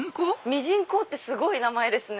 みじんこってすごい名前ですね。